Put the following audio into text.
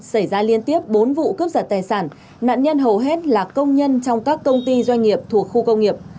xảy ra liên tiếp bốn vụ cướp giật tài sản nạn nhân hầu hết là công nhân trong các công ty doanh nghiệp thuộc khu công nghiệp